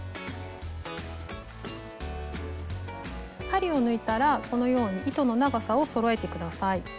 針を抜いたらこのように糸の長さをそろえて下さい。